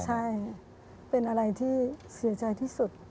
ใช่เป็นอะไรที่เสียใจที่สุด